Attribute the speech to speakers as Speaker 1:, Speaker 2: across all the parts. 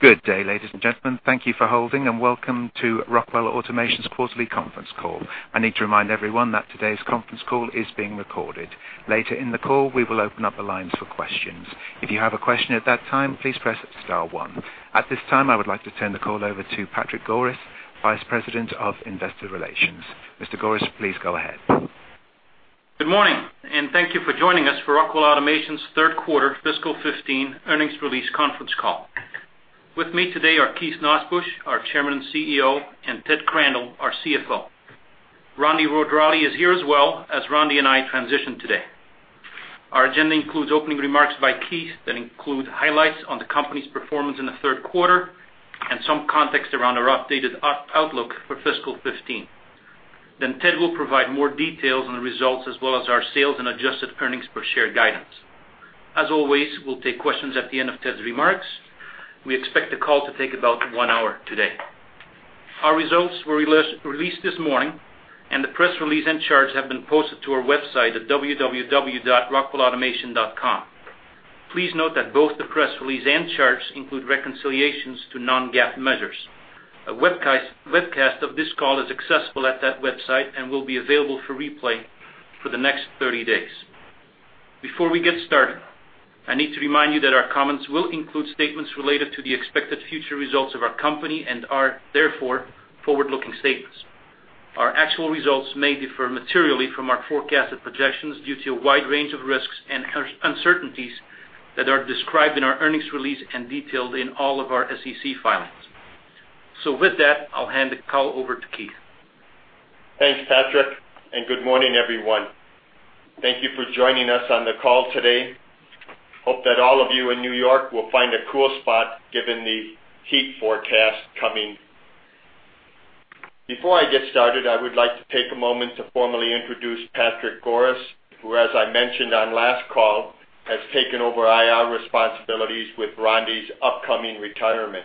Speaker 1: Good day, ladies and gentlemen. Thank you for holding, and welcome to Rockwell Automation's quarterly conference call. I need to remind everyone that today's conference call is being recorded. Later in the call, we will open up the lines for questions. If you have a question at that time, please press star one. At this time, I would like to turn the call over to Patrick Goris, Vice President of Investor Relations. Mr. Goris, please go ahead.
Speaker 2: Good morning. Thank you for joining us for Rockwell Automation's third quarter fiscal 2015 earnings release conference call. With me today are Keith Nosbusch, our Chairman and CEO, and Theodore Crandall, our CFO. Randy Gardocki is here as well, as Randy and I transition today. Our agenda includes opening remarks by Keith that include highlights on the company's performance in the third quarter, some context around our updated outlook for fiscal 2015. Ted will provide more details on the results, as well as our sales and adjusted earnings per share guidance. As always, we'll take questions at the end of Ted's remarks. We expect the call to take about one hour today. Our results were released this morning, and the press release and charts have been posted to our website at www.rockwellautomation.com. Please note that both the press release and charts include reconciliations to non-GAAP measures. A webcast of this call is accessible at that website and will be available for replay for the next 30 days. Before we get started, I need to remind you that our comments will include statements related to the expected future results of our company and are therefore forward-looking statements. Our actual results may differ materially from our forecasted projections due to a wide range of risks and uncertainties that are described in our earnings release and detailed in all of our SEC filings. With that, I'll hand the call over to Keith.
Speaker 3: Thanks, Patrick. Good morning, everyone. Thank you for joining us on the call today. Hope that all of you in New York will find a cool spot given the heat forecast coming. Before I get started, I would like to take a moment to formally introduce Patrick Goris, who, as I mentioned on last call, has taken over IR responsibilities with Randy's upcoming retirement.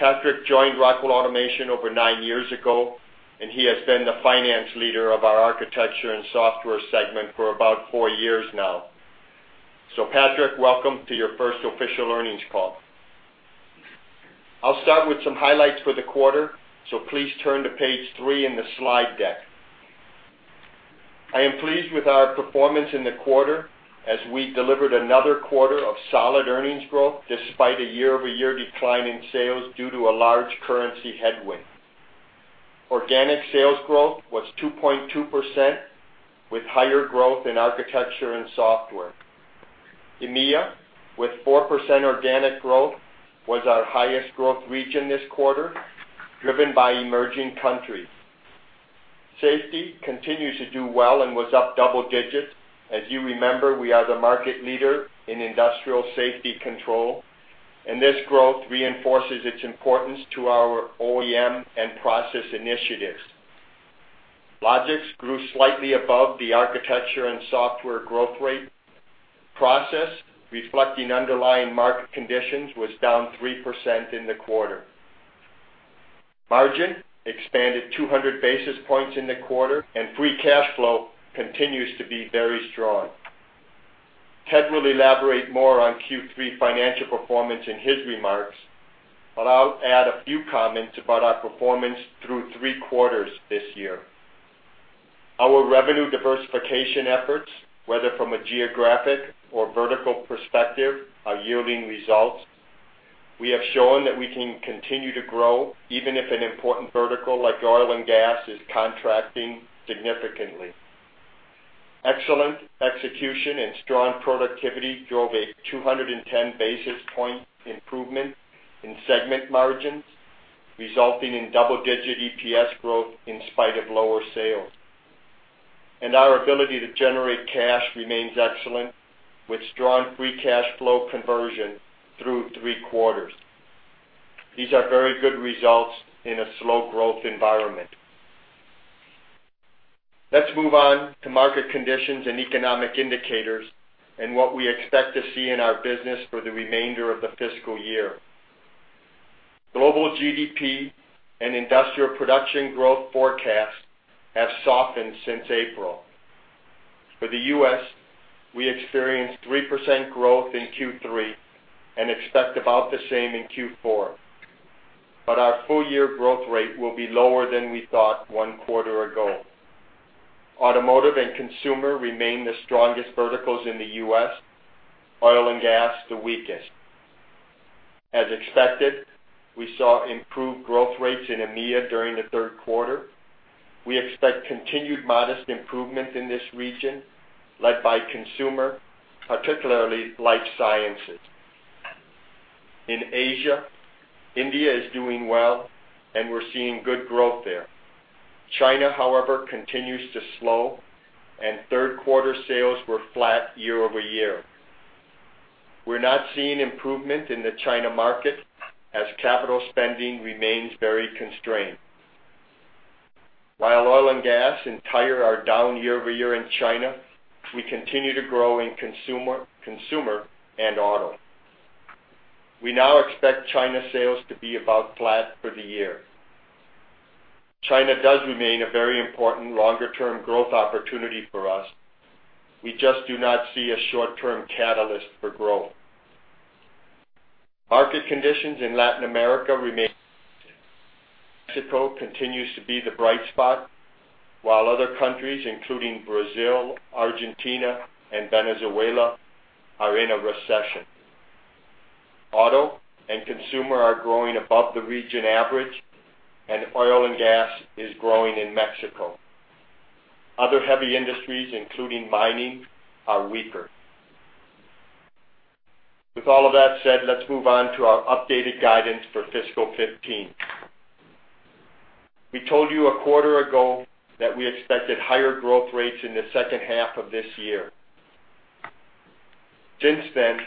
Speaker 3: Patrick joined Rockwell Automation over nine years ago, and he has been the finance leader of our architecture and software segment for about four years now. Patrick, welcome to your first official earnings call. I'll start with some highlights for the quarter, so please turn to page three in the slide deck. I am pleased with our performance in the quarter as we delivered another quarter of solid earnings growth despite a year-over-year decline in sales due to a large currency headwind. Organic sales growth was 2.2% with higher growth in architecture and software. EMEA, with 4% organic growth, was our highest growth region this quarter, driven by emerging countries. Safety continues to do well and was up double digits. As you remember, we are the market leader in industrial safety control, and this growth reinforces its importance to our OEM and process initiatives. Logix grew slightly above the architecture and software growth rate. Process, reflecting underlying market conditions, was down 3% in the quarter. Margin expanded 200 basis points in the quarter, and free cash flow continues to be very strong. Ted will elaborate more on Q3 financial performance in his remarks, but I'll add a few comments about our performance through three quarters this year. Our revenue diversification efforts, whether from a geographic or vertical perspective, are yielding results. We have shown that we can continue to grow even if an important vertical like oil and gas is contracting significantly. Excellent execution and strong productivity drove a 210 basis point improvement in segment margins, resulting in double-digit EPS growth in spite of lower sales. Our ability to generate cash remains excellent with strong free cash flow conversion through three quarters. These are very good results in a slow-growth environment. Let's move on to market conditions and economic indicators and what we expect to see in our business for the remainder of the fiscal year. Global GDP and industrial production growth forecasts have softened since April. For the U.S., we experienced 3% growth in Q3 and expect about the same in Q4. Our full-year growth rate will be lower than we thought one quarter ago. Automotive and consumer remain the strongest verticals in the U.S., oil and gas the weakest. As expected, we saw improved growth rates in EMEA during the third quarter. We expect continued modest improvement in this region, led by consumer, particularly life sciences. In Asia, India is doing well, and we're seeing good growth there. China, however, continues to slow, and third-quarter sales were flat year-over-year. We're not seeing improvement in the China market as capital spending remains very constrained. While oil and gas and tire are down year-over-year in China, we continue to grow in consumer and auto. We now expect China sales to be about flat for the year. China does remain a very important longer-term growth opportunity for us. We just do not see a short-term catalyst for growth. Market conditions in Latin America remain. Mexico continues to be the bright spot, while other countries, including Brazil, Argentina, and Venezuela, are in a recession. Auto and consumer are growing above the region average, and oil and gas is growing in Mexico. Other heavy industries, including mining, are weaker. With all of that said, let's move on to our updated guidance for fiscal 2015. We told you a quarter ago that we expected higher growth rates in the second half of this year. Since then,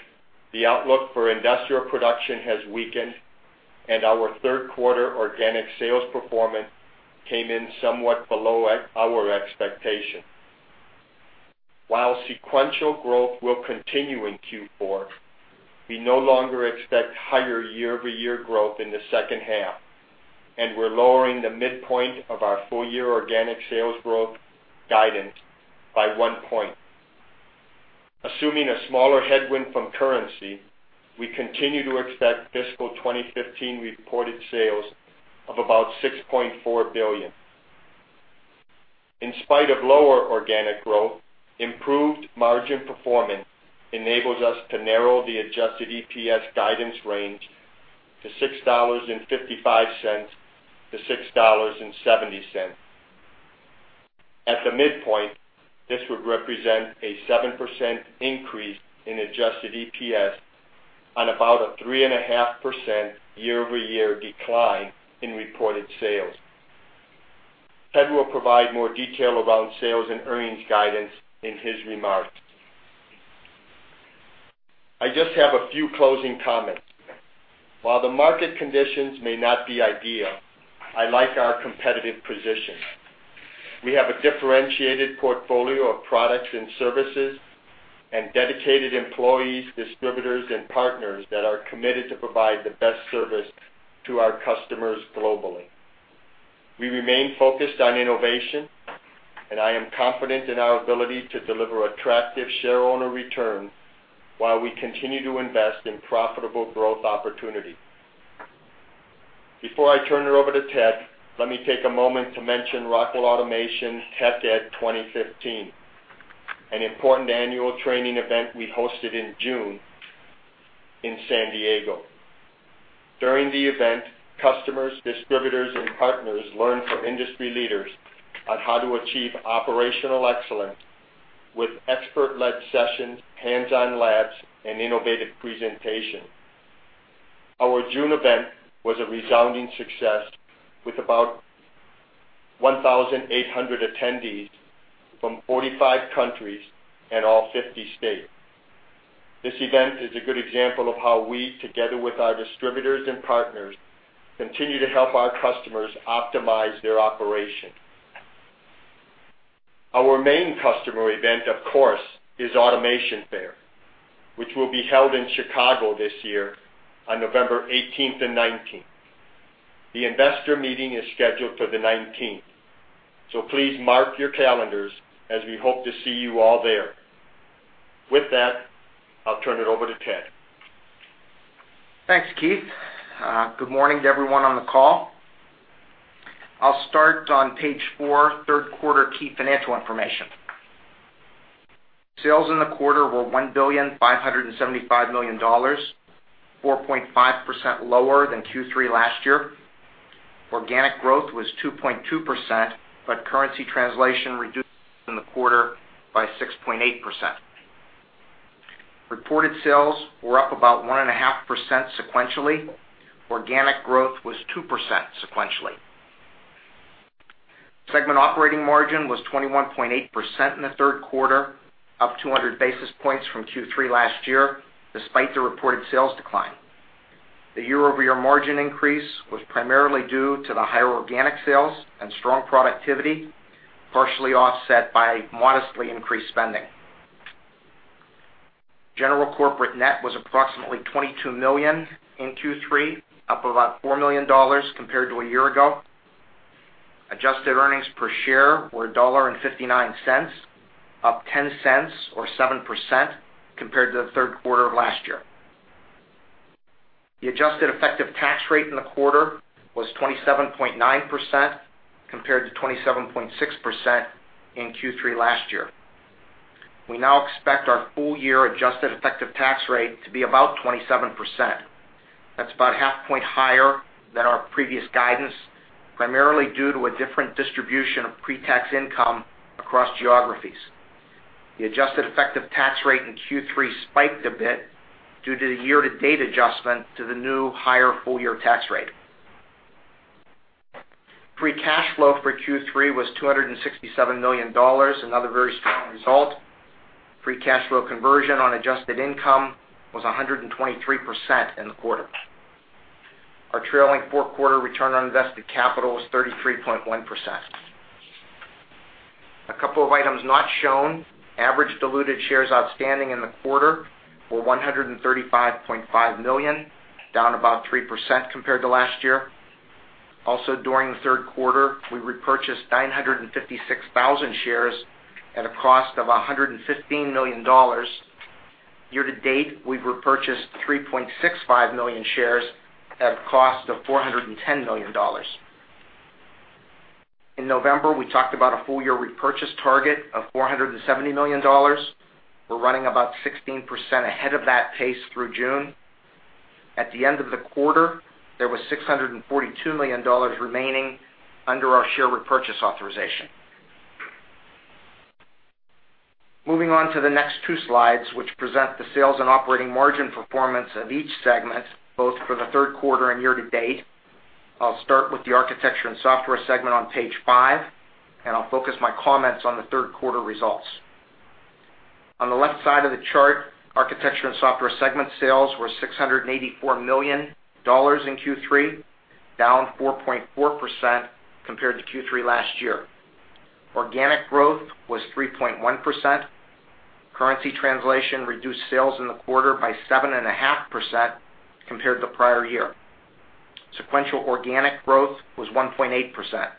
Speaker 3: the outlook for industrial production has weakened, and our third-quarter organic sales performance came in somewhat below our expectation. While sequential growth will continue in Q4, we no longer expect higher year-over-year growth in the second half, and we're lowering the midpoint of our full-year organic sales growth guidance by one point. Assuming a smaller headwind from currency, we continue to expect fiscal 2015 reported sales of about $6.4 billion. In spite of lower organic growth, improved margin performance enables us to narrow the adjusted EPS guidance range to $6.55 to $6.70. At the midpoint, this would represent a 7% increase in adjusted EPS on about a 3.5% year-over-year decline in reported sales. Ted will provide more detail around sales and earnings guidance in his remarks. I just have a few closing comments. While the market conditions may not be ideal, I like our competitive position. We have a differentiated portfolio of products and services and dedicated employees, distributors, and partners that are committed to provide the best service to our customers globally. We remain focused on innovation, and I am confident in our ability to deliver attractive shareowner return while we continue to invest in profitable growth opportunity. Before I turn it over to Ted, let me take a moment to mention Rockwell Automation TechEd 2015, an important annual training event we hosted in June in San Diego. During the event, customers, distributors, and partners learned from industry leaders on how to achieve operational excellence with expert-led sessions, hands-on labs, and innovative presentation. Our June event was a resounding success with about 1,800 attendees from 45 countries and all 50 states. This event is a good example of how we, together with our distributors and partners, continue to help our customers optimize their operation. Our main customer event, of course, is Automation Fair, which will be held in Chicago this year on November 18th and 19th. The investor meeting is scheduled for the 19th, so please mark your calendars as we hope to see you all there. With that, I'll turn it over to Ted.
Speaker 4: Thanks, Keith. Good morning to everyone on the call. I'll start on Page four, third quarter key financial information. Sales in the quarter were $1,575,000,000, 4.5% lower than Q3 last year. Organic growth was 2.2%, but currency translation reduced in the quarter by 6.8%. Reported sales were up about 1.5% sequentially. Organic growth was 2% sequentially. Segment operating margin was 21.8% in the third quarter, up 200 basis points from Q3 last year, despite the reported sales decline. The year-over-year margin increase was primarily due to the higher organic sales and strong productivity, partially offset by modestly increased spending. General corporate net was approximately $22 million in Q3, up about $4 million compared to a year ago. Adjusted earnings per share were $1.59, up $0.10 or 7% compared to the third quarter of last year. The adjusted effective tax rate in the quarter was 27.9% compared to 27.6% in Q3 last year. We now expect our full-year adjusted effective tax rate to be about 27%. That's about half a point higher than our previous guidance, primarily due to a different distribution of pre-tax income across geographies. The adjusted effective tax rate in Q3 spiked a bit due to the year-to-date adjustment to the new, higher full-year tax rate. Free cash flow for Q3 was $267 million, another very strong result. Free cash flow conversion on adjusted income was 123% in the quarter. Our trailing four-quarter return on invested capital was 33.1%. A couple of items not shown. Average diluted shares outstanding in the quarter were 135.5 million, down about 3% compared to last year. Also, during the third quarter, we repurchased 956,000 shares at a cost of $115 million. Year-to-date, we've repurchased 3.65 million shares at a cost of $410 million. In November, we talked about a full-year repurchase target of $470 million. We're running about 16% ahead of that pace through June. At the end of the quarter, there was $642 million remaining under our share repurchase authorization. Moving on to the next two slides, which present the sales and operating margin performance of each segment, both for the third quarter and year-to-date. I'll start with the Architecture and Software segment on page five, and I'll focus my comments on the third quarter results. On the left side of the chart, Architecture and Software segment sales were $684 million in Q3, down 4.4% compared to Q3 last year. Organic growth was 3.1%. Currency translation reduced sales in the quarter by 7.5% compared to the prior year. Sequential organic growth was 1.8%.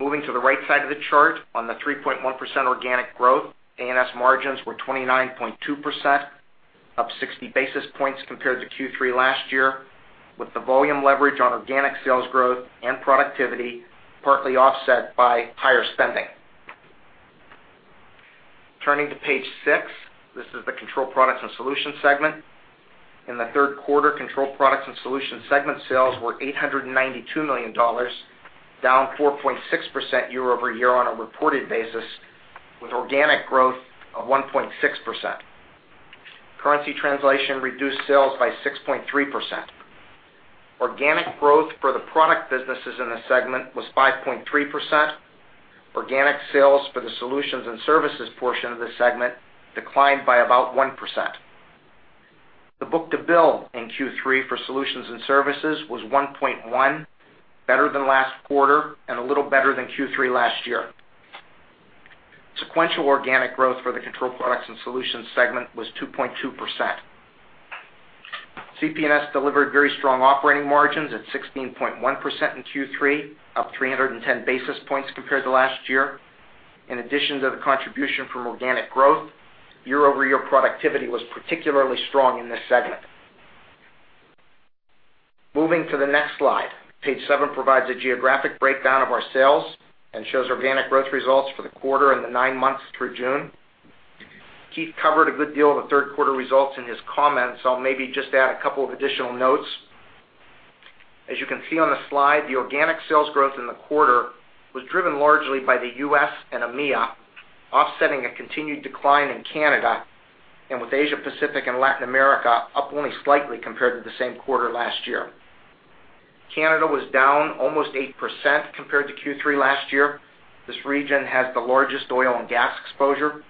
Speaker 4: Moving to the right side of the chart, on the 3.1% organic growth, ANS margins were 29.2%, up 60 basis points compared to Q3 last year, with the volume leverage on organic sales growth and productivity partly offset by higher spending. Turning to page six. This is the Control Products and Solutions segment. In the third quarter, Control Products and Solutions segment sales were $892 million, down 4.6% year-over-year on a reported basis, with organic growth of 1.6%. Currency translation reduced sales by 6.3%. Organic growth for the product businesses in the segment was 5.3%. Organic sales for the solutions and services portion of the segment declined by about 1%. The book-to-bill in Q3 for solutions and services was 1.1, better than last quarter and a little better than Q3 last year. Sequential organic growth for the Control Products and Solutions segment was 2.2%. CP&S delivered very strong operating margins at 16.1% in Q3, up 310 basis points compared to last year. In addition to the contribution from organic growth, year-over-year productivity was particularly strong in this segment. Moving to the next slide. Page seven provides a geographic breakdown of our sales and shows organic growth results for the quarter and the nine months through June. Keith covered a good deal of the third quarter results in his comments, so I'll maybe just add a couple of additional notes. As you can see on the slide, the organic sales growth in the quarter was driven largely by the U.S. and EMEA, offsetting a continued decline in Canada, and with Asia Pacific and Latin America up only slightly compared to the same quarter last year. Canada was down almost 8% compared to Q3 last year. This region has the largest oil and gas exposure.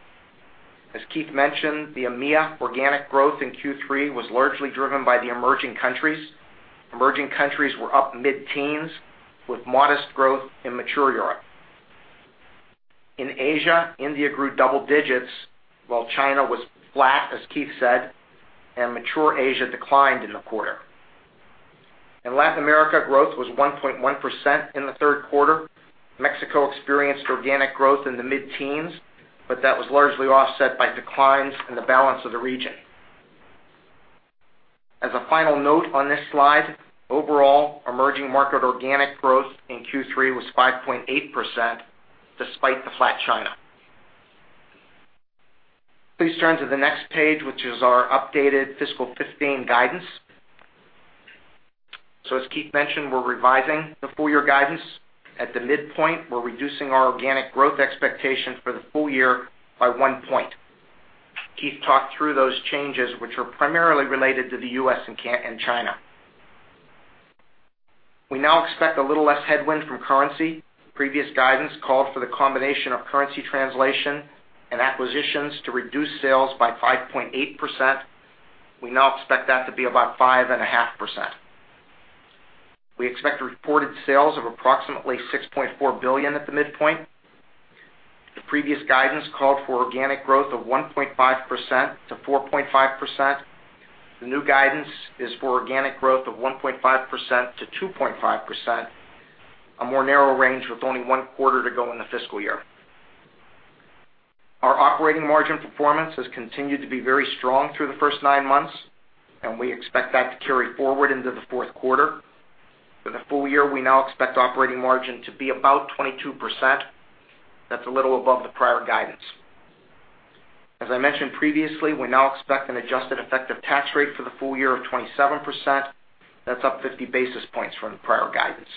Speaker 4: As Keith mentioned, the EMEA organic growth in Q3 was largely driven by the emerging countries. Emerging countries were up mid-teens with modest growth in mature Europe. In Asia, India grew double digits, while China was flat, as Keith said, and mature Asia declined in the quarter. In Latin America, growth was 1.1% in the third quarter. Mexico experienced organic growth in the mid-teens, but that was largely offset by declines in the balance of the region. As a final note on this slide, overall emerging market organic growth in Q3 was 5.8% despite the flat China. Please turn to the next page, which is our updated fiscal 2015 guidance. As Keith mentioned, we're revising the full-year guidance. At the midpoint, we're reducing our organic growth expectation for the full year by one point. Keith talked through those changes, which are primarily related to the U.S. and China. We now expect a little less headwind from currency. Previous guidance called for the combination of currency translation and acquisitions to reduce sales by 5.8%. We now expect that to be about 5.5%. We expect reported sales of approximately $6.4 billion at the midpoint. The previous guidance called for organic growth of 1.5%-4.5%. The new guidance is for organic growth of 1.5%-2.5%, a more narrow range with only one quarter to go in the fiscal year. Our operating margin performance has continued to be very strong through the first nine months, and we expect that to carry forward into the fourth quarter. For the full year, we now expect operating margin to be about 22%. That's a little above the prior guidance. As I mentioned previously, we now expect an adjusted effective tax rate for the full year of 27%. That's up 50 basis points from the prior guidance.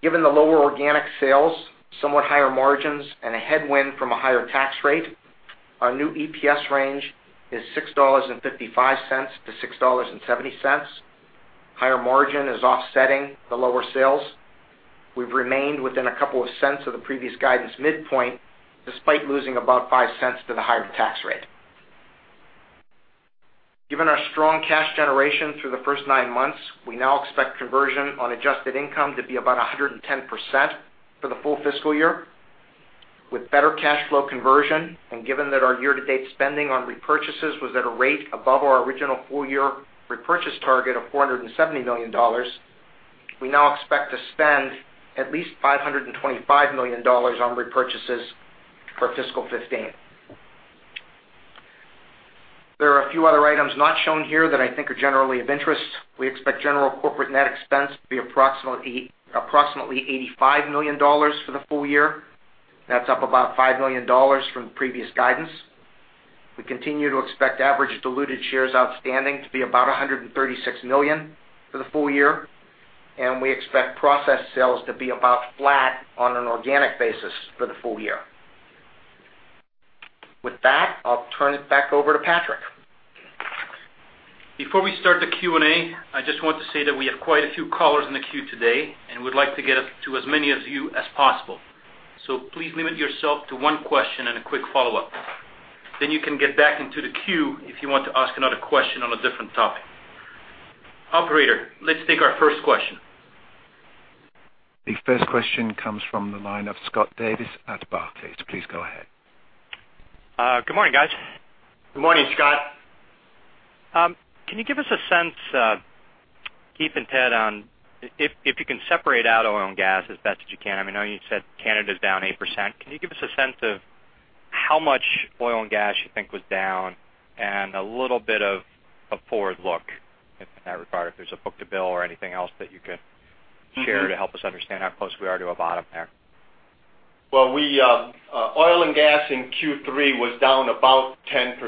Speaker 4: Given the lower organic sales, somewhat higher margins, and a headwind from a higher tax rate, our new EPS range is $6.55-$6.70. Higher margin is offsetting the lower sales. We've remained within about $0.02 of the previous guidance midpoint, despite losing about $0.05 to the higher tax rate. Given our strong cash generation through the first nine months, we now expect conversion on adjusted income to be about 110% for the full fiscal year. With better cash flow conversion, given that our year-to-date spending on repurchases was at a rate above our original full-year repurchase target of $470 million, we now expect to spend at least $525 million on repurchases for fiscal 2015. There are a few other items not shown here that I think are generally of interest. We expect general corporate net expense to be approximately $85 million for the full year. That's up about $5 million from previous guidance. We continue to expect average diluted shares outstanding to be about 136 million for the full year, we expect process sales to be about flat on an organic basis for the full year. With that, I'll turn it back over to Patrick.
Speaker 2: Before we start the Q&A, I just want to say that we have quite a few callers in the queue today, and we'd like to get to as many of you as possible. Please limit yourself to one question and a quick follow-up. You can get back into the queue if you want to ask another question on a different topic. Operator, let's take our first question.
Speaker 1: The first question comes from the line of Scott Davis at Barclays. Please go ahead.
Speaker 5: Good morning, guys.
Speaker 3: Good morning, Scott.
Speaker 5: Can you give us a sense, Keith and Ted, if you can separate out oil and gas as best as you can. I know you said Canada's down 8%. Can you give us a sense of how much oil and gas you think was down and a little bit of a forward look in that regard, if there's a book to bill or anything else that you could share to help us understand how close we are to a bottom there?
Speaker 3: Well, oil and gas in Q3 was down about 10%,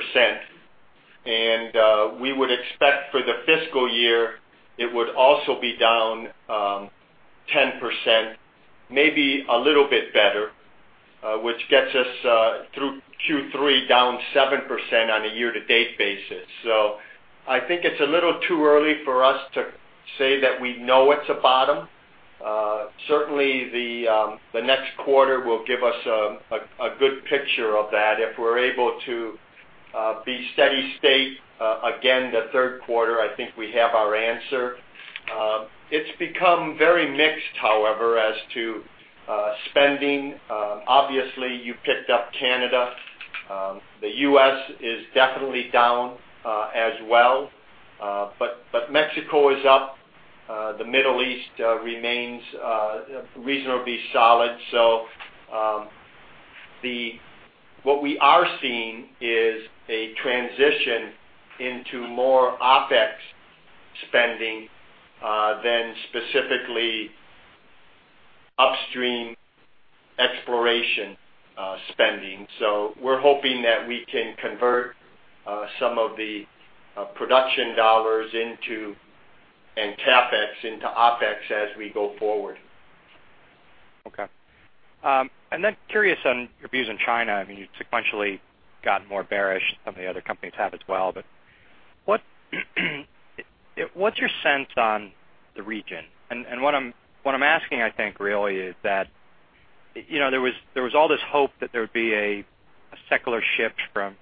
Speaker 3: we would expect for the fiscal year, it would also be down 10%, maybe a little bit better, which gets us through Q3 down 7% on a year-to-date basis. I think it's a little too early for us to say that we know it's a bottom. Certainly, the next quarter will give us a good picture of that. If we're able to be steady state again the third quarter, I think we have our answer. It's become very mixed, however, as to spending. Obviously, you picked up Canada. The U.S. is definitely down as well. Mexico is up. The Middle East remains reasonably solid. What we are seeing is a transition into more OpEx spending than specifically upstream exploration spending. We're hoping that we can convert some of the production $ and CapEx into OpEx as we go forward.
Speaker 5: Okay. Curious on your views in China. You've sequentially gotten more bearish. Some of the other companies have as well. What's your sense on the region? What I'm asking, I think, really is that there was all this hope that there would be a secular shift from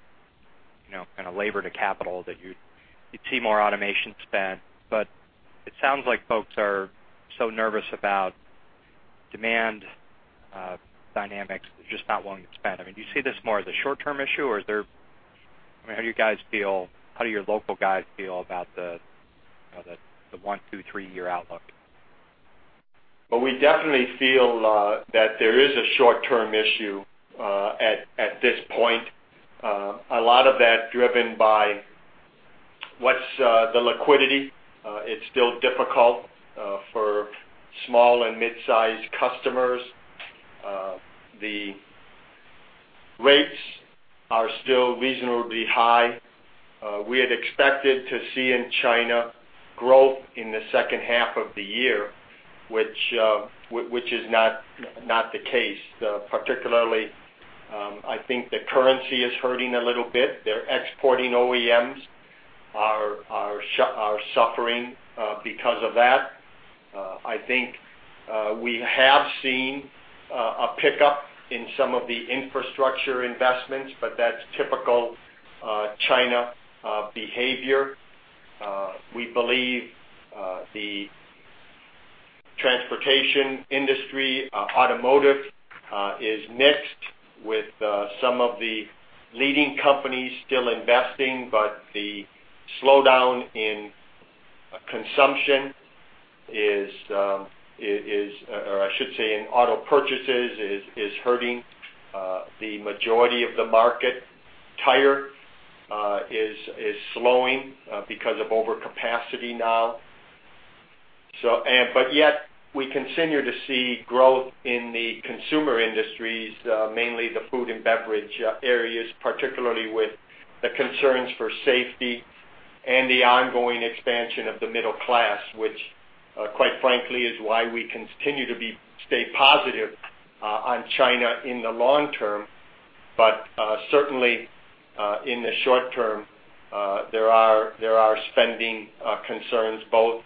Speaker 5: labor to capital, that you'd see more automation spend. It sounds like folks are so nervous about demand dynamics, they're just not willing to spend. Do you see this more as a short-term issue, or how do your local guys feel about the one, two, three-year outlook?
Speaker 3: Well, we definitely feel that there is a short-term issue at this point. A lot of that driven by what's the liquidity. It's still difficult for small and mid-sized customers. The rates are still reasonably high. We had expected to see in China growth in the second half of the year, which is not the case. Particularly, I think the currency is hurting a little bit. Their exporting OEMs are suffering because of that. I think we have seen a pickup in some of the infrastructure investments, that's typical China behavior. We believe the transportation industry, automotive is mixed with some of the leading companies still investing, the slowdown in consumption is, or I should say in auto purchases, is hurting the majority of the market. Tire is slowing because of overcapacity now. Yet we continue to see growth in the consumer industries, mainly the food and beverage areas, particularly with the concerns for safety and the ongoing expansion of the middle class, which quite frankly, is why we continue to stay positive on China in the long term. Certainly, in the short term, there are spending concerns both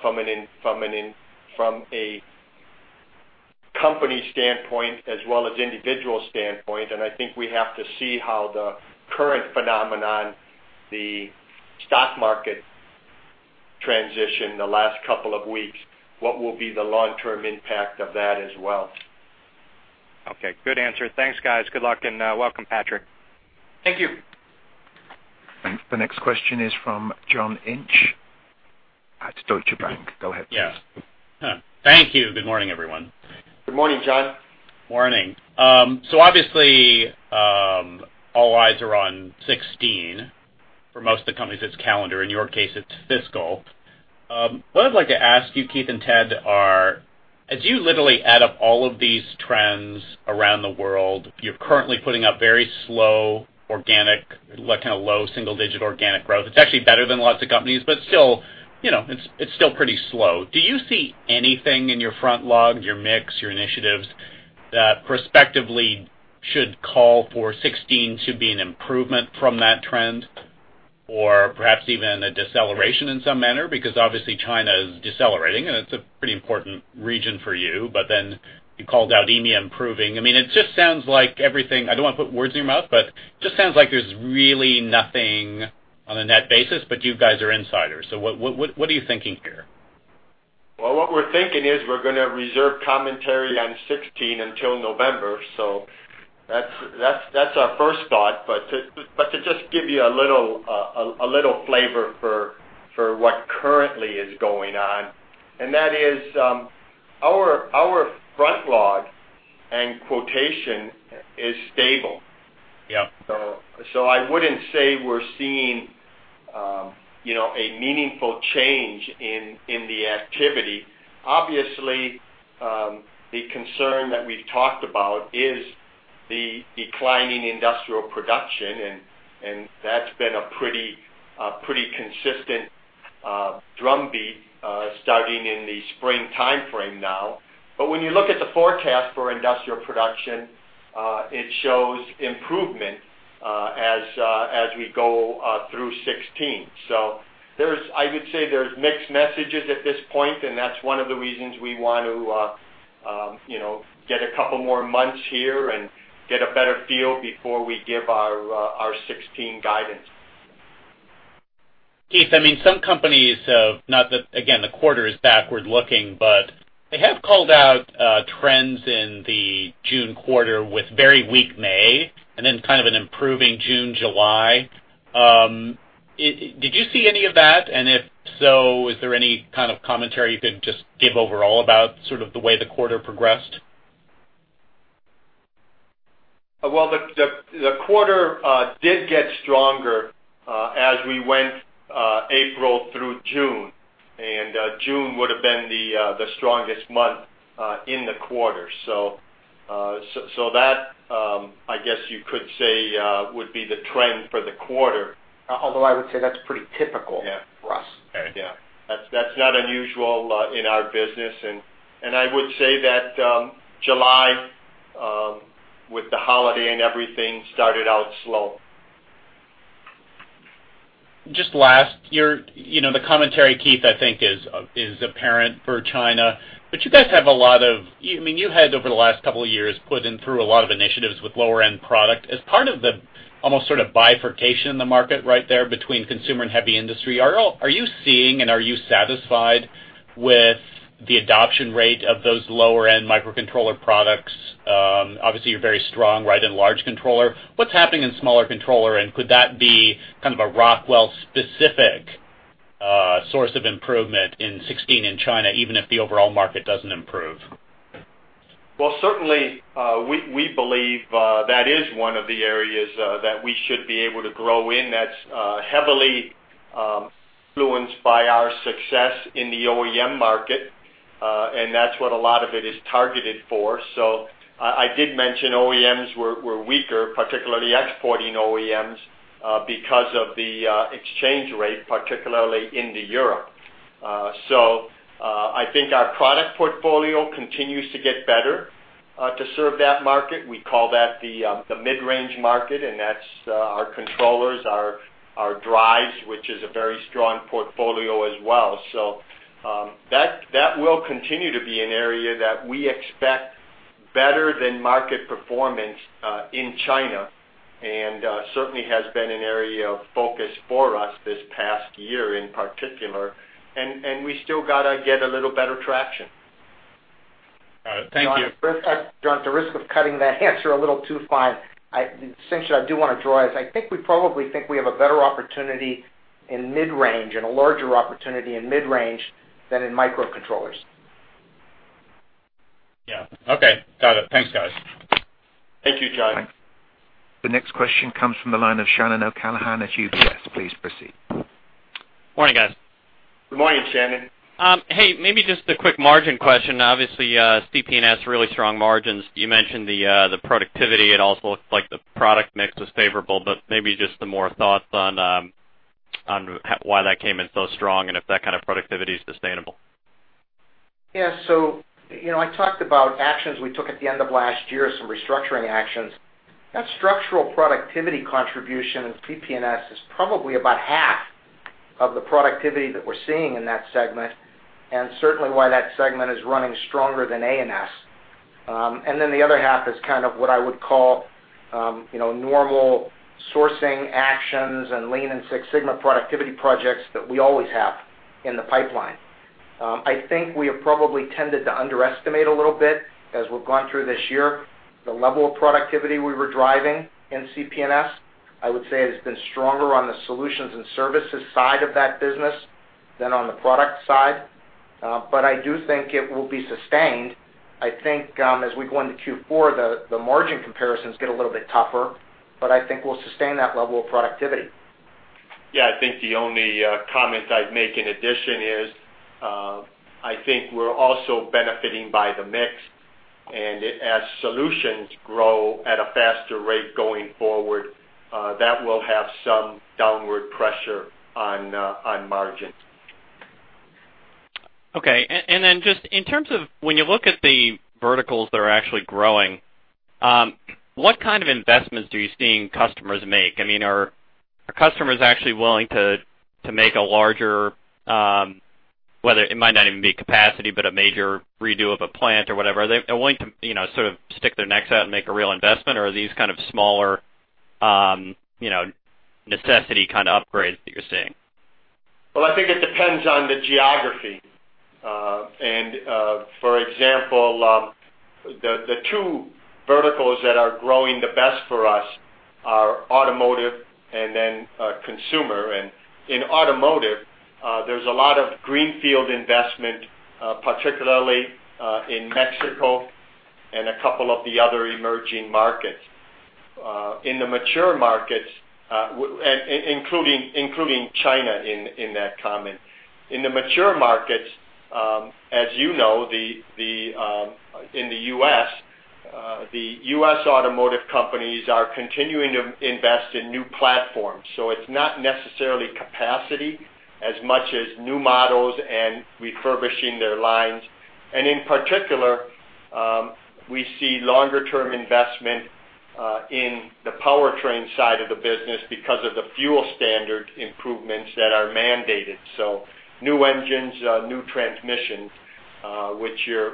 Speaker 3: from a company standpoint as well as individual standpoint, and I think we have to see how the current phenomenon, the stock market transition the last couple of weeks, what will be the long-term impact of that as well.
Speaker 5: Okay, good answer. Thanks, guys. Good luck, welcome, Patrick.
Speaker 2: Thank you.
Speaker 1: The next question is from John Inch at Deutsche Bank. Go ahead, please.
Speaker 6: Yeah. Thank you. Good morning, everyone.
Speaker 3: Good morning, John.
Speaker 6: Morning. Obviously, all eyes are on 2016. For most of the companies, it's calendar. In your case, it's fiscal. What I'd like to ask you, Keith and Ted, are as you literally add up all of these trends around the world, you're currently putting up very slow organic, kind of low single-digit organic growth. It's actually better than lots of companies, but it's still pretty slow. Do you see anything in your front log, your mix, your initiatives that prospectively should call for 2016 to be an improvement from that trend or perhaps even a deceleration in some manner? Because obviously China is decelerating, and it's a pretty important region for you. You called out EMEA improving. It just sounds like everything, I don't want to put words in your mouth, just sounds like there's really nothing on a net basis, but you guys are insiders. What are you thinking here?
Speaker 3: Well, what we're thinking is we're going to reserve commentary on 2016 until November. That's our first thought. To just give you a little flavor for what currently is going on, and that is our front log and quotation is stable.
Speaker 6: Yep.
Speaker 3: I wouldn't say we're seeing a meaningful change in the activity. Obviously, the concern that we've talked about is the declining industrial production, and that's been a pretty consistent drumbeat starting in the spring timeframe now. When you look at the forecast for industrial production, it shows improvement as we go through 2016. I would say there's mixed messages at this point, and that's one of the reasons we want to get a couple more months here and get a better feel before we give our 2016 guidance.
Speaker 6: Keith, some companies, not that, again, the quarter is backward-looking, but they have called out trends in the June quarter with very weak May and then kind of an improving June, July. Did you see any of that? If so, is there any kind of commentary you could just give overall about sort of the way the quarter progressed?
Speaker 3: Well, the quarter did get stronger as we went April through June. June would have been the strongest month in the quarter. That, I guess you could say, would be the trend for the quarter.
Speaker 4: Although I would say that's pretty typical-
Speaker 3: Yeah
Speaker 4: for us.
Speaker 3: Yeah. That's not unusual in our business, and I would say that July, with the holiday and everything, started out slow.
Speaker 6: Just last, the commentary, Keith, I think is apparent for China, but you guys have a lot of-- you had over the last couple of years put in through a lot of initiatives with lower-end product. As part of the almost sort of bifurcation in the market right there between consumer and heavy industry, are you seeing and are you satisfied with the adoption rate of those lower-end microcontroller products? Obviously, you're very strong in large controller. What's happening in smaller controller, and could that be kind of a Rockwell specific source of improvement in 2016 in China, even if the overall market doesn't improve?
Speaker 3: Certainly, we believe that is one of the areas that we should be able to grow in that's heavily influenced by our success in the OEM market, and that's what a lot of it is targeted for. I did mention OEMs were weaker, particularly exporting OEMs, because of the exchange rate, particularly into Europe. I think our product portfolio continues to get better to serve that market. We call that the mid-range market, and that's our controllers, our drives, which is a very strong portfolio as well. That will continue to be an area that we expect better than market performance in China, and certainly has been an area of focus for us this past year in particular, and we still got to get a little better traction.
Speaker 6: All right. Thank you.
Speaker 4: John, at the risk of cutting that answer a little too fine, since I do want to draw, I think we probably think we have a better opportunity in mid-range and a larger opportunity in mid-range than in microcontrollers.
Speaker 6: Yeah. Okay. Got it. Thanks, guys.
Speaker 3: Thank you, John.
Speaker 1: The next question comes from the line of Shannon O'Callaghan at UBS. Please proceed.
Speaker 7: Morning, guys.
Speaker 3: Good morning, Shannon.
Speaker 7: Hey, maybe just a quick margin question. Obviously, CP&S, really strong margins. You mentioned the productivity. It also looks like the product mix was favorable, maybe just some more thoughts on why that came in so strong and if that kind of productivity is sustainable.
Speaker 4: Yeah. I talked about actions we took at the end of last year, some restructuring actions. That structural productivity contribution in CP&S is probably about half of the productivity that we're seeing in that segment, and certainly why that segment is running stronger than ANS. Then the other half is what I would call normal sourcing actions and lean and Six Sigma productivity projects that we always have in the pipeline. I think we have probably tended to underestimate a little bit as we've gone through this year, the level of productivity we were driving in CP&S. I would say it has been stronger on the solutions and services side of that business than on the product side. I do think it will be sustained. I think as we go into Q4, the margin comparisons get a little bit tougher, I think we'll sustain that level of productivity.
Speaker 3: Yeah, I think the only comment I'd make in addition is I think we're also benefiting by the mix, as solutions grow at a faster rate going forward, that will have some downward pressure on margins.
Speaker 7: Okay. Just in terms of when you look at the verticals that are actually growing, what kind of investments do you see customers make? Are customers actually willing to make a larger, it might not even be capacity, but a major redo of a plant or whatever. Are they willing to sort of stick their necks out and make a real investment, or are these kind of smaller, necessity kind of upgrades that you're seeing?
Speaker 3: I think it depends on the geography. For example, the two verticals that are growing the best for us are automotive and then consumer. In automotive, there's a lot of greenfield investment, particularly in Mexico and a couple of the other emerging markets. In the mature markets, including China in that comment. In the mature markets, as you know, in the U.S., the U.S. automotive companies are continuing to invest in new platforms. It's not necessarily capacity as much as new models and refurbishing their lines. In particular, we see longer term investment, in the powertrain side of the business because of the fuel standard improvements that are mandated. New engines, new transmissions,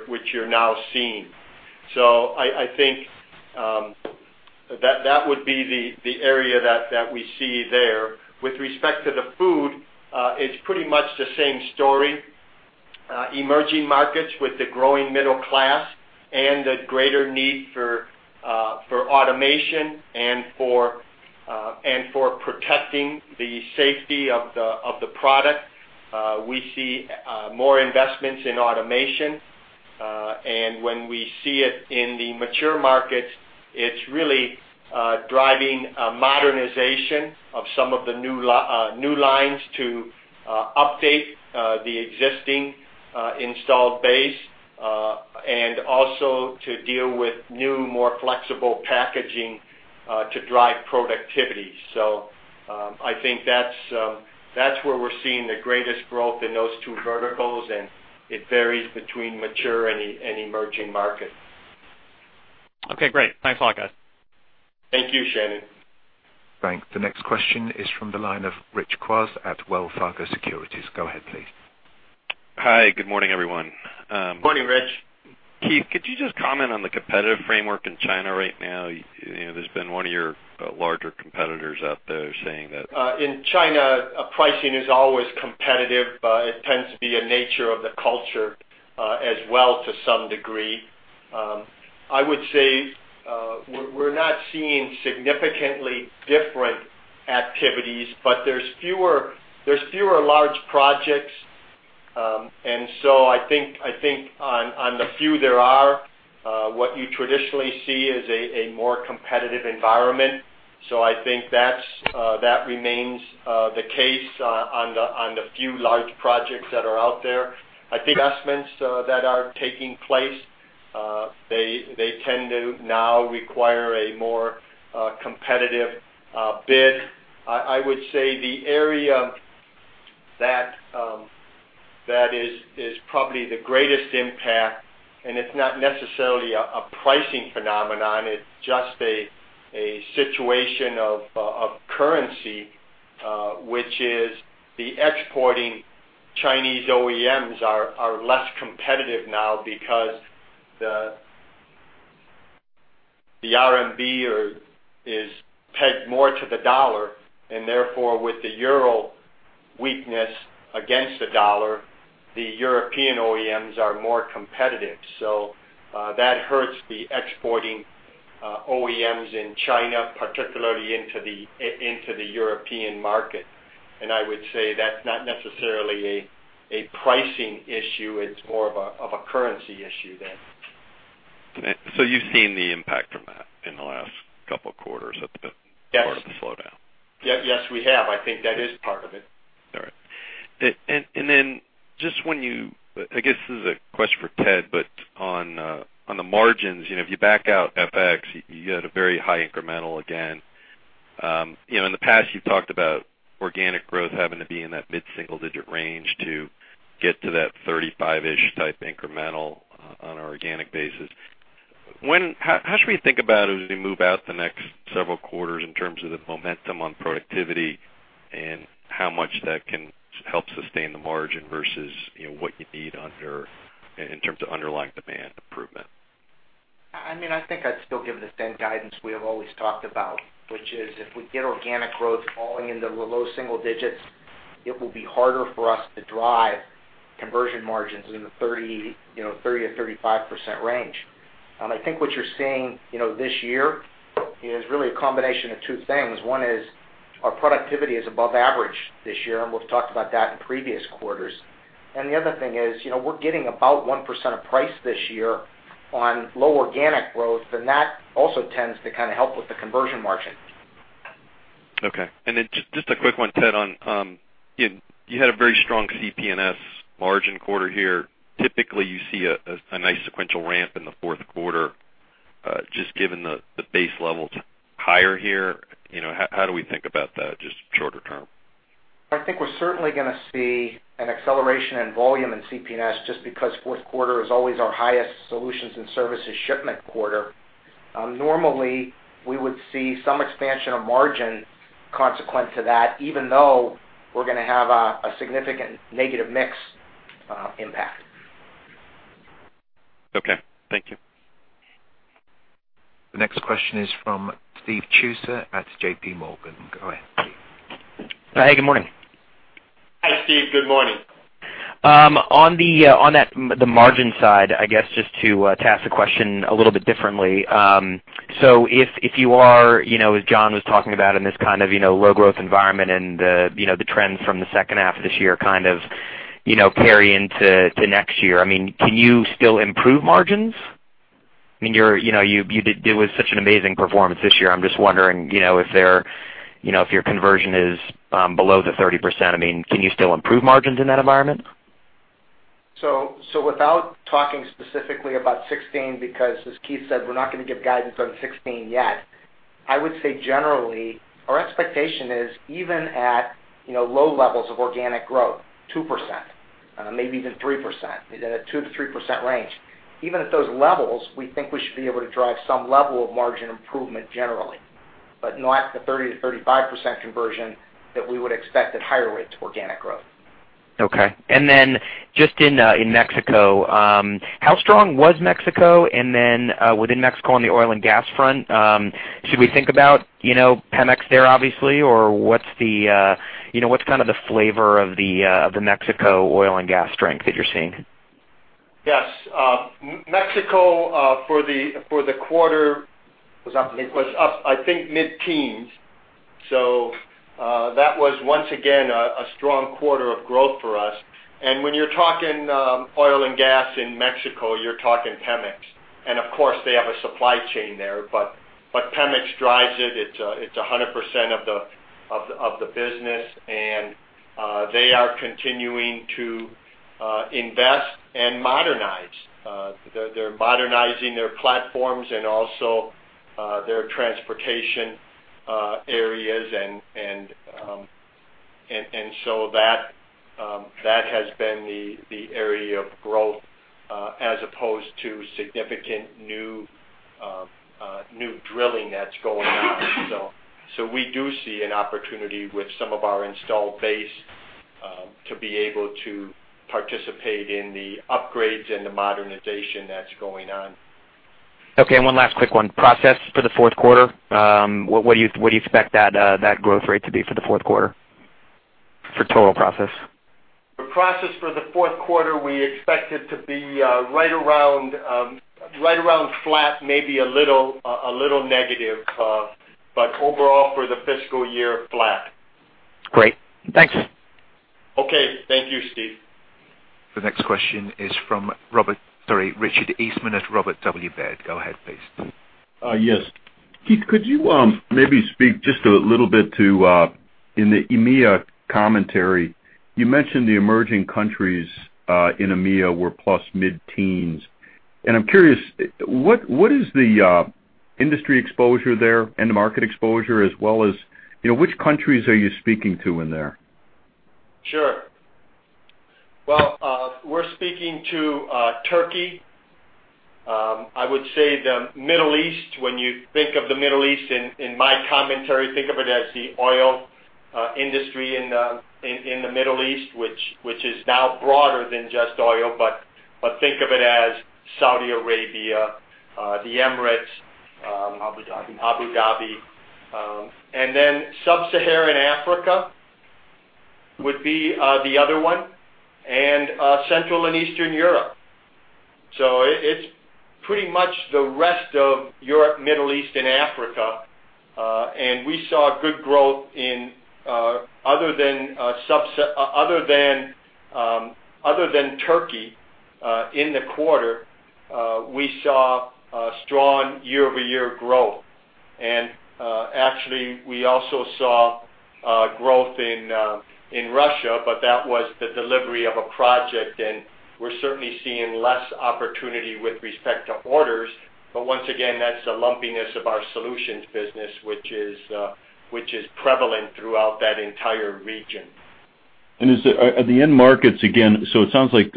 Speaker 3: which you're now seeing. I think that would be the area that we see there. With respect to the food, it's pretty much the same story. Emerging markets with the growing middle class and the greater need for automation and for protecting the safety of the product. We see more investments in automation. When we see it in the mature markets, it's really driving a modernization of some of the new lines to update the existing installed base, and also to deal with new, more flexible packaging, to drive productivity. I think that's where we're seeing the greatest growth in those two verticals, and it varies between mature and emerging markets.
Speaker 7: Okay, great. Thanks a lot, guys.
Speaker 3: Thank you, Shannon.
Speaker 1: Thanks. The next question is from the line of Rich Kwas at Wells Fargo Securities. Go ahead, please.
Speaker 8: Hi. Good morning, everyone.
Speaker 3: Morning, Rich.
Speaker 8: Keith, could you just comment on the competitive framework in China right now? There's been one of your larger competitors out there saying that.
Speaker 3: In China, pricing is always competitive, but it tends to be a nature of the culture as well to some degree. I would say, we're not seeing significantly different activities, but there's fewer large projects. I think on the few there are, what you traditionally see is a more competitive environment. I think that remains the case on the few large projects that are out there. I think investments that are taking place, they tend to now require a more competitive bid. I would say the area that is probably the greatest impact, and it's not necessarily a pricing phenomenon, it's just a situation of currency, which is the exporting Chinese OEMs are less competitive now because the RMB is pegged more to the U.S. dollar, and therefore, with the euro weakness against the U.S. dollar, the European OEMs are more competitive. That hurts the exporting OEMs in China, particularly into the European market. I would say that's not necessarily a pricing issue. It's more of a currency issue there.
Speaker 8: You've seen the impact from that in the last couple of quarters at the.
Speaker 3: Yes
Speaker 8: part of the slowdown?
Speaker 3: Yes, we have. I think that is part of it.
Speaker 8: All right. Just when you-- I guess this is a question for Ted, but on the margins, if you back out FX, you had a very high incremental again. In the past, you've talked about organic growth having to be in that mid-single digit range to get to that 35-ish type incremental on an organic basis. How should we think about as we move out the next several quarters in terms of the momentum on productivity and how much that can help sustain the margin versus what you need in terms of underlying demand improvement?
Speaker 4: I think I'd still give the same guidance we have always talked about, which is if we get organic growth falling into the low single digits, it will be harder for us to drive conversion margins in the 30%-35% range. I think what you're seeing this year is really a combination of two things. One is our productivity is above average this year, and we've talked about that in previous quarters. The other thing is, we're getting about 1% of price this year on low organic growth, and that also tends to kind of help with the conversion margin.
Speaker 8: Okay. Just a quick one, Ted. You had a very strong CP&S margin quarter here. Typically, you see a nice sequential ramp in the fourth quarter. Just given the base level's higher here, how do we think about that, just shorter term?
Speaker 4: I think we're certainly going to see an acceleration in volume in CP&S just because fourth quarter is always our highest solutions and services shipment quarter. Normally, we would see some expansion of margin consequent to that, even though we're going to have a significant negative mix impact.
Speaker 8: Okay, thank you.
Speaker 1: The next question is from Steve Tusa at J.P. Morgan. Go ahead, Steve.
Speaker 9: Hey, good morning.
Speaker 3: Hi, Steve. Good morning.
Speaker 9: On the margin side, I guess just to ask the question a little bit differently. If you are, as John was talking about, in this kind of low growth environment and the trends from the second half of this year kind of carry into next year, can you still improve margins? It was such an amazing performance this year. I'm just wondering, if your conversion is below the 30%, can you still improve margins in that environment?
Speaker 4: Without talking specifically about 2016, because as Keith said, we're not going to give guidance on 2016 yet. I would say generally, our expectation is even at low levels of organic growth, 2%, maybe even 3%, the 2%-3% range. Even at those levels, we think we should be able to drive some level of margin improvement generally, but not the 30%-35% conversion that we would expect at higher rates of organic growth.
Speaker 9: Okay. Just in Mexico, how strong was Mexico? Within Mexico on the oil and gas front, should we think about Pemex there obviously, or what's kind of the flavor of the Mexico oil and gas strength that you're seeing?
Speaker 3: Yes. Mexico, for the quarter.
Speaker 4: Was up again. Was up, I think, mid-teens. That was once again, a strong quarter of growth for us. When you're talking oil and gas in Mexico, you're talking Pemex. Of course, they have a supply chain there, but Pemex drives it. It's 100% of the business, and they are continuing to invest and modernize. They're modernizing their platforms and also their transportation areas. That has been the area of growth as opposed to significant new drilling that's going on. We do see an opportunity with some of our installed base to be able to participate in the upgrades and the modernization that's going on.
Speaker 9: Okay, one last quick one. Process for the fourth quarter, what do you expect that growth rate to be for the fourth quarter for total process?
Speaker 4: For process for the fourth quarter, we expect it to be right around flat, maybe a little negative, but overall for the fiscal year, flat.
Speaker 9: Great. Thanks.
Speaker 4: Okay. Thank you, Steve.
Speaker 1: The next question is from Richard Eastman at Robert W. Baird. Go ahead, please.
Speaker 10: Yes. Keith, could you maybe speak just a little bit to, in the EMEA commentary, you mentioned the emerging countries in EMEA were plus mid-teens. I'm curious, what is the industry exposure there and the market exposure as well as which countries are you speaking to in there?
Speaker 3: Sure. Well, we're speaking to Turkey. I would say the Middle East. When you think of the Middle East in my commentary, think of it as the oil industry in the Middle East, which is now broader than just oil, but think of it as Saudi Arabia, the Emirates-
Speaker 4: Abu Dhabi
Speaker 3: Abu Dhabi, then Sub-Saharan Africa would be the other one, Central and Eastern Europe. It's pretty much the rest of Europe, Middle East, and Africa. We saw good growth in other than Turkey, in the quarter, we saw strong year-over-year growth. Actually, we also saw growth in Russia, but that was the delivery of a project, and we're certainly seeing less opportunity with respect to orders. Once again, that's the lumpiness of our solutions business, which is prevalent throughout that entire region.
Speaker 10: At the end markets, again, it sounds like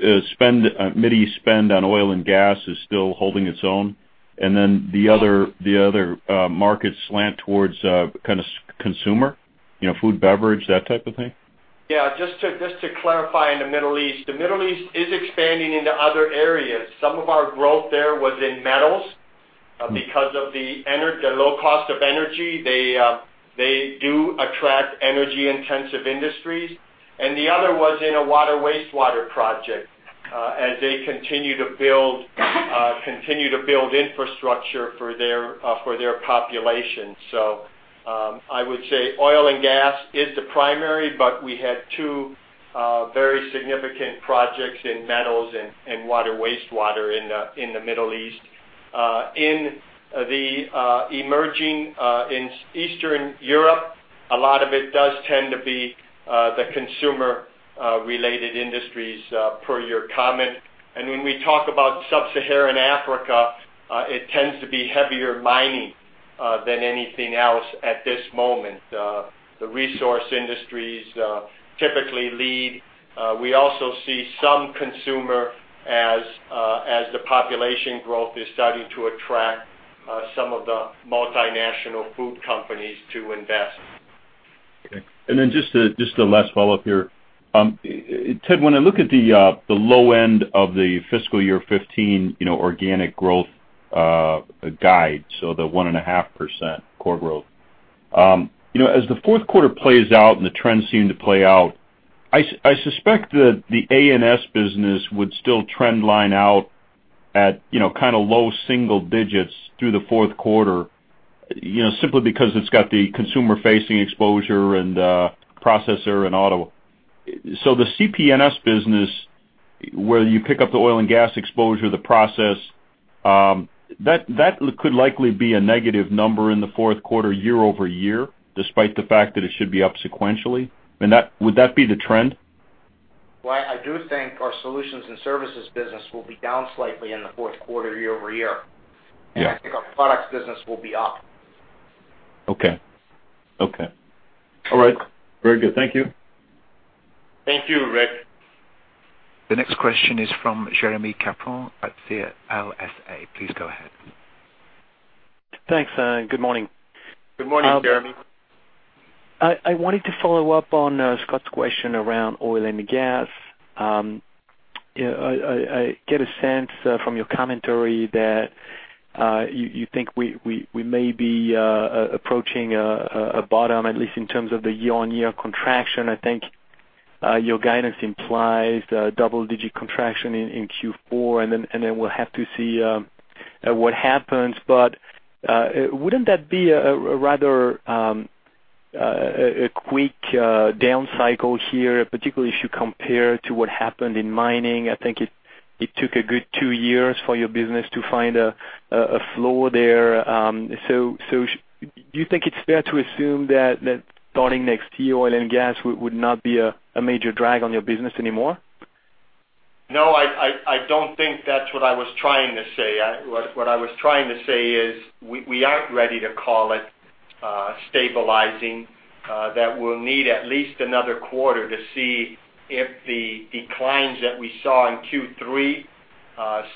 Speaker 10: Middle East spend on oil and gas is still holding its own, then the other markets slant towards kind of consumer, food, beverage, that type of thing?
Speaker 3: Yeah, just to clarify on the Middle East. The Middle East is expanding into other areas. Some of our growth there was in metals because of the low cost of energy. They do attract energy-intensive industries. The other was in a water/wastewater project, as they continue to build infrastructure for their population. I would say oil and gas is the primary, but we had two very significant projects in metals and water/wastewater in the Middle East. In the emerging in Eastern Europe, a lot of it does tend to be the consumer-related industries, per your comment. When we talk about Sub-Saharan Africa, it tends to be heavier mining than anything else at this moment. The resource industries typically lead. We also see some consumer as the population growth is starting to attract some of the multinational food companies to invest.
Speaker 10: Okay. Then just a last follow-up here. Ted, when I look at the low end of the fiscal year 2015 organic growth guide, the 1.5% core growth. As the fourth quarter plays out and the trends seem to play out, I suspect that the A&S business would still trend line out at kind of low single digits through the fourth quarter, simply because it's got the consumer-facing exposure and processor and auto. The CP&S business, where you pick up the oil and gas exposure, the process, that could likely be a negative number in the fourth quarter year-over-year, despite the fact that it should be up sequentially. Would that be the trend?
Speaker 4: Well, I do think our solutions and services business will be down slightly in the fourth quarter year-over-year.
Speaker 10: Yeah.
Speaker 3: I think our products business will be up.
Speaker 10: Okay. All right. Very good. Thank you.
Speaker 3: Thank you, Rick.
Speaker 1: The next question is from Jeremie Capron at CLSA. Please go ahead.
Speaker 11: Thanks, and good morning.
Speaker 3: Good morning, Jeremie.
Speaker 11: I wanted to follow up on Scott's question around oil and gas. I get a sense from your commentary that you think we may be approaching a bottom, at least in terms of the year-on-year contraction. I think your guidance implies double-digit contraction in Q4, then we'll have to see what happens. Wouldn't that be a rather quick down cycle here, particularly if you compare to what happened in mining? I think it took a good two years for your business to find a flow there. Do you think it's fair to assume that starting next year, oil and gas would not be a major drag on your business anymore?
Speaker 3: No, I don't think that's what I was trying to say. What I was trying to say is we aren't ready to call it stabilizing, that we'll need at least another quarter to see if the declines that we saw in Q3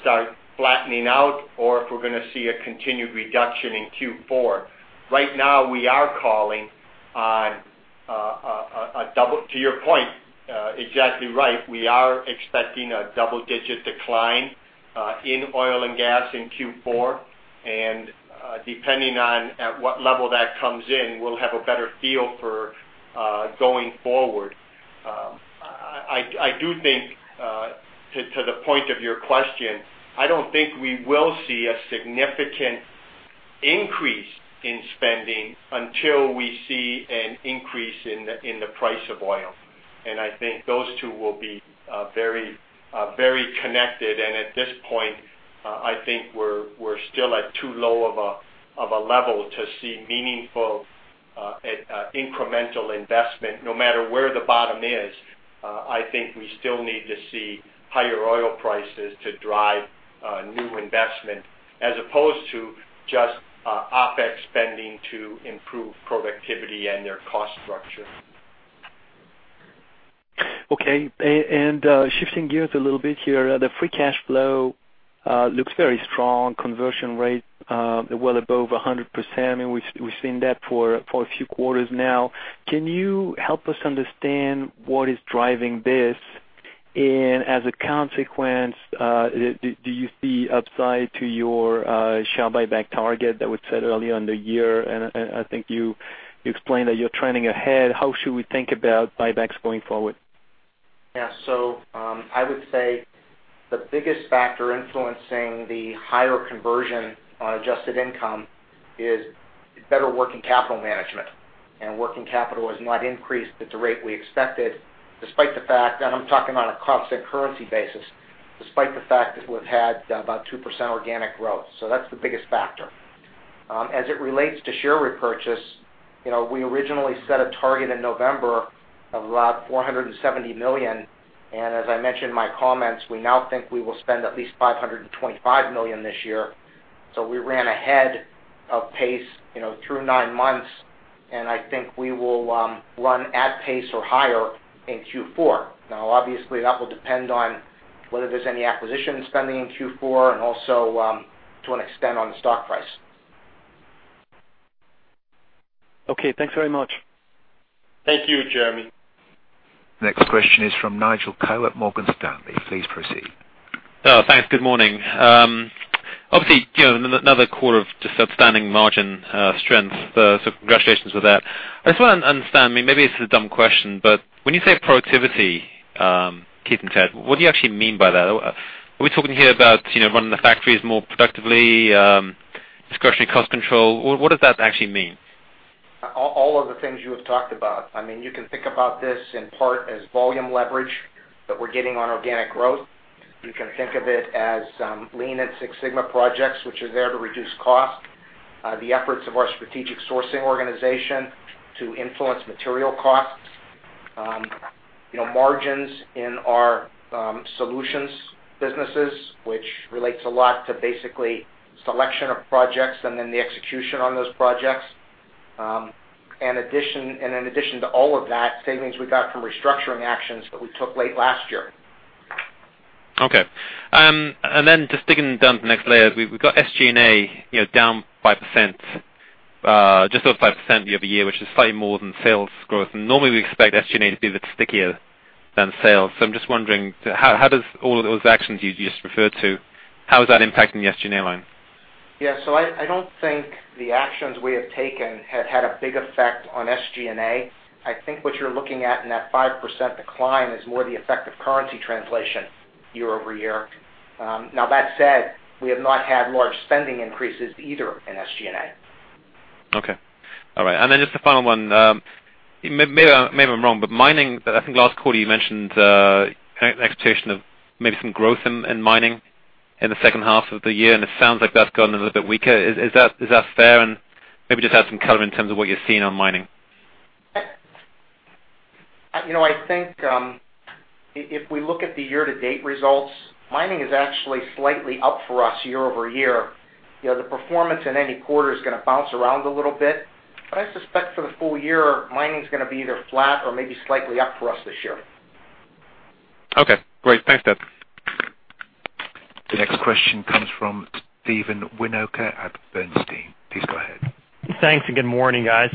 Speaker 3: start flattening out, or if we're going to see a continued reduction in Q4. Right now, we are calling to your point, exactly right, we are expecting a double-digit decline in oil and gas in Q4. Depending on at what level that comes in, we'll have a better feel for going forward. I do think to the point of your question, I don't think we will see a significant increase in spending until we see an increase in the price of oil. I think those two will be very connected. At this point, I think we're still at too low of a level to see meaningful incremental investment. No matter where the bottom is, I think we still need to see higher oil prices to drive new investment, as opposed to just OpEx spending to improve productivity and their cost structure.
Speaker 11: Okay. Shifting gears a little bit here, the free cash flow looks very strong. Conversion rate well above 100%. We've seen that for a few quarters now. Can you help us understand what is driving this? As a consequence, do you see upside to your share buyback target that was set early on the year? I think you explained that you're trending ahead. How should we think about buybacks going forward?
Speaker 4: Yeah. I would say the biggest factor influencing the higher conversion on adjusted income is better working capital management. Working capital has not increased at the rate we expected, despite the fact, I'm talking on a constant currency basis, despite the fact that we've had about 2% organic growth. That's the biggest factor. As it relates to share repurchase, we originally set a target in November of about $470 million, as I mentioned in my comments, we now think we will spend at least $525 million this year. We ran ahead Of pace through nine months, I think we will run at pace or higher in Q4. Obviously, that will depend on whether there's any acquisition spending in Q4 and also to an extent on the stock price.
Speaker 11: Okay, thanks very much.
Speaker 3: Thank you, Jeremie.
Speaker 1: Next question is from Nigel Coe at Morgan Stanley. Please proceed.
Speaker 12: Oh, thanks. Good morning. Obviously, another quarter of just outstanding margin strength. Congratulations with that. I just want to understand, maybe it's a dumb question, when you say productivity, Keith and Ted, what do you actually mean by that? Are we talking here about running the factories more productively, discretionary cost control? What does that actually mean?
Speaker 4: All of the things you have talked about. You can think about this in part as volume leverage that we're getting on organic growth. You can think of it as lean and Six Sigma projects, which are there to reduce cost, the efforts of our strategic sourcing organization to influence material costs. Margins in our solutions businesses, which relates a lot to basically selection of projects and then the execution on those projects. In addition to all of that, savings we got from restructuring actions that we took late last year.
Speaker 12: Okay. Just digging down to the next layers, we've got SG&A down 5%, just over 5% year-over-year, which is slightly more than sales growth. Normally we expect SG&A to be a bit stickier than sales. I'm just wondering, how does all of those actions you just referred to, how is that impacting the SG&A line?
Speaker 4: Yeah. I don't think the actions we have taken have had a big effect on SG&A. I think what you're looking at in that 5% decline is more the effect of currency translation year-over-year. Now that said, we have not had large spending increases either in SG&A.
Speaker 12: Okay. All right. Then just the final one. Maybe I'm wrong, mining, I think last quarter you mentioned expectation of maybe some growth in mining in the second half of the year, it sounds like that's gone a little bit weaker. Is that fair? Maybe just add some color in terms of what you're seeing on mining.
Speaker 4: I think, if we look at the year-to-date results, mining is actually slightly up for us year-over-year. The performance in any quarter is going to bounce around a little bit, I suspect for the full year, mining is going to be either flat or maybe slightly up for us this year.
Speaker 12: Okay, great. Thanks, Ted.
Speaker 1: The next question comes from Steve Winoker at Bernstein. Please go ahead.
Speaker 13: Thanks. Good morning, guys.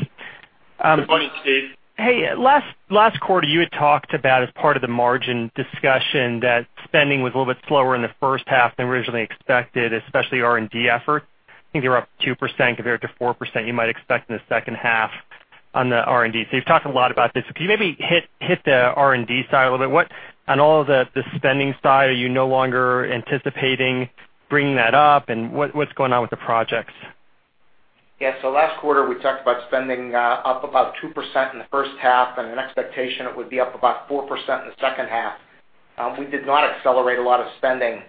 Speaker 4: Good morning, Steve.
Speaker 13: Hey, last quarter you had talked about as part of the margin discussion that spending was a little bit slower in the first half than originally expected, especially R&D efforts. I think you're up 2% compared to 4% you might expect in the second half on the R&D. You've talked a lot about this. Could you maybe hit the R&D side a little bit? On all of the spending side, are you no longer anticipating bringing that up, and what's going on with the projects?
Speaker 4: Yeah. Last quarter, we talked about spending up about 2% in the first half and an expectation it would be up about 4% in the second half. We did not accelerate a lot of spending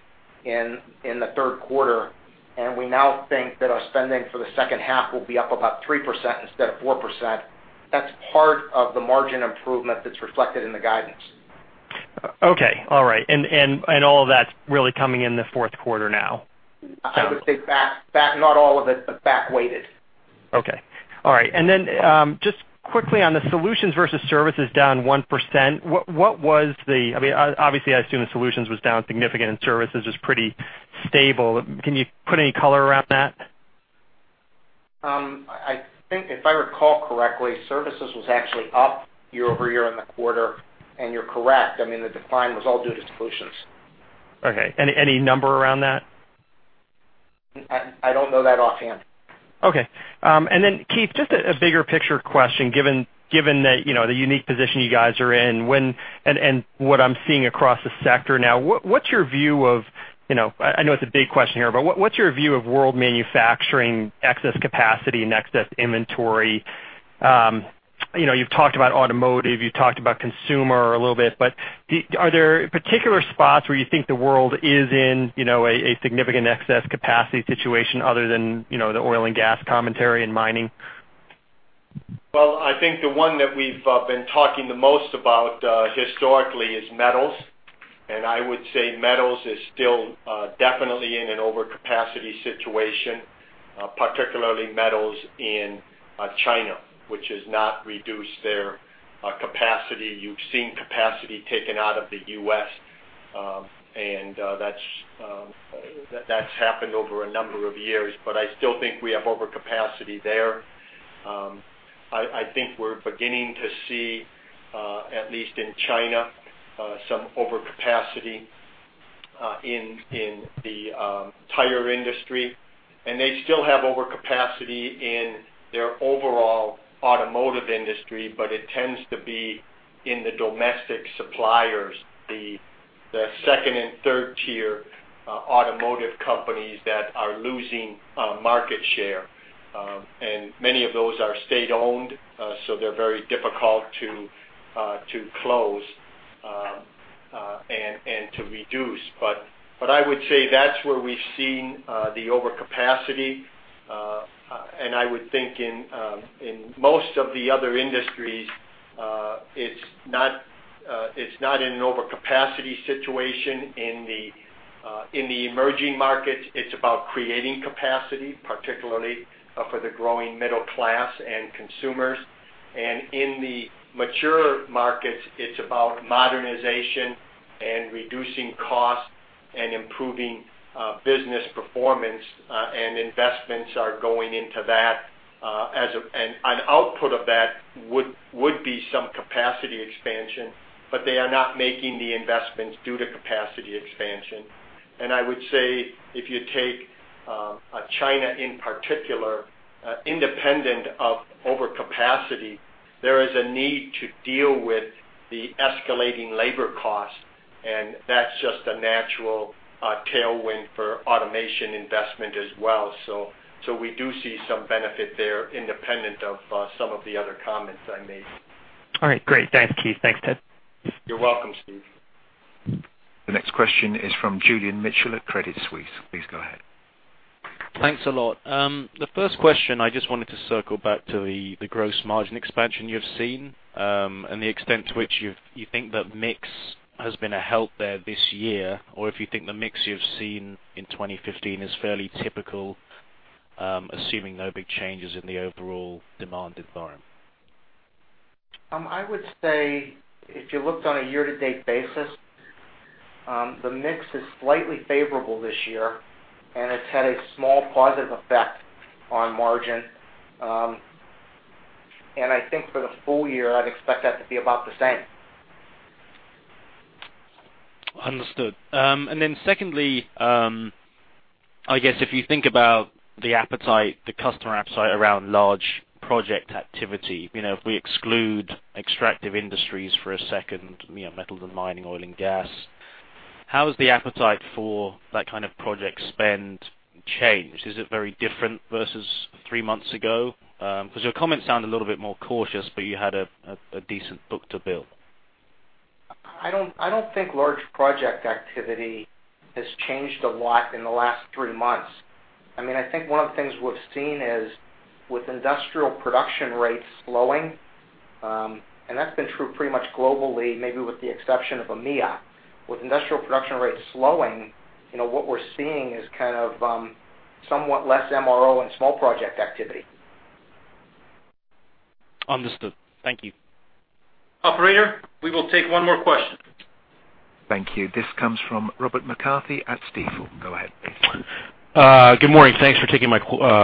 Speaker 4: in the third quarter, and we now think that our spending for the second half will be up about 3% instead of 4%. That's part of the margin improvement that's reflected in the guidance.
Speaker 13: Okay. All right. All of that's really coming in the fourth quarter now?
Speaker 4: I would say back, not all of it, but back-weighted.
Speaker 13: Okay. All right. Just quickly on the solutions versus services down 1%, what was obviously, I assume the solutions was down significant and services was pretty stable. Can you put any color around that?
Speaker 4: I think if I recall correctly, services was actually up year-over-year in the quarter. You're correct, the decline was all due to solutions.
Speaker 13: Okay. Any number around that?
Speaker 4: I don't know that offhand.
Speaker 13: Okay. Then Keith, just a bigger picture question, given the unique position you guys are in and what I'm seeing across the sector now. What's your view of, I know it's a big question here, but what's your view of world manufacturing excess capacity and excess inventory? You've talked about automotive, you've talked about consumer a little bit, but are there particular spots where you think the world is in a significant excess capacity situation other than the oil and gas commentary and mining?
Speaker 3: Well, I think the one that we've been talking the most about historically is metals. I would say metals is still definitely in an overcapacity situation, particularly metals in China, which has not reduced their capacity. You've seen capacity taken out of the U.S., that's happened over a number of years. I still think we have overcapacity there. I think we're beginning to see, at least in China, some overcapacity in the tire industry. They still have overcapacity in their overall automotive industry, but it tends to be in the domestic suppliers, the second- and third-tier automotive companies that are losing market share. Many of those are state-owned, so they're very difficult to close and to reduce. I would say that's where we've seen the overcapacity. I would think in most of the other industries, it's not It's not an overcapacity situation in the emerging markets. It's about creating capacity, particularly for the growing middle class and consumers. In the mature markets, it's about modernization and reducing costs and improving business performance, and investments are going into that. An output of that would be some capacity expansion, but they are not making the investments due to capacity expansion. I would say if you take China in particular, independent of overcapacity, there is a need to deal with the escalating labor costs, and that's just a natural tailwind for automation investment as well. We do see some benefit there independent of some of the other comments I made.
Speaker 13: All right. Great. Thanks, Keith. Thanks, Ted.
Speaker 3: You're welcome, Steve.
Speaker 1: The next question is from Julian Mitchell at Credit Suisse. Please go ahead.
Speaker 14: Thanks a lot. The first question, I just wanted to circle back to the gross margin expansion you've seen, and the extent to which you think that mix has been a help there this year, or if you think the mix you've seen in 2015 is fairly typical, assuming no big changes in the overall demand environment.
Speaker 4: I would say if you looked on a year-to-date basis, the mix is slightly favorable this year, and it's had a small positive effect on margin. I think for the full year, I'd expect that to be about the same.
Speaker 14: Understood. Secondly, I guess if you think about the customer appetite around large project activity, if we exclude extractive industries for a second, metals and mining, oil and gas, how has the appetite for that kind of project spend changed? Is it very different versus three months ago? Because your comments sound a little bit more cautious, but you had a decent book to build.
Speaker 4: I don't think large project activity has changed a lot in the last three months. I think one of the things we've seen is with industrial production rates slowing, and that's been true pretty much globally, maybe with the exception of EMEA. With industrial production rates slowing, what we're seeing is kind of somewhat less MRO and small project activity.
Speaker 14: Understood. Thank you.
Speaker 3: Operator, we will take one more question.
Speaker 1: Thank you. This comes from Robert McCarthy at Stifel. Go ahead.
Speaker 15: Good morning. Thanks for taking my